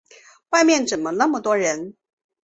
外面怎么那么多人？